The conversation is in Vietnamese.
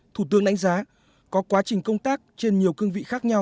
thủ tướng đánh giá có quá trình công tác trên nhiều cương vị khác nhau